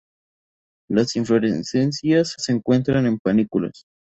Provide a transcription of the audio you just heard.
Las inflorescencias se encuentran en panículas.